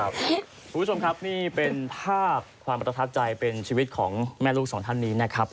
คุณผู้ชมครับนี่เป็นภาพความประทับใจเป็นชีวิตของแม่ลูกสองท่านนี้นะครับ